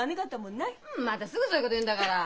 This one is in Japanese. んまたすぐそういうこと言うんだから。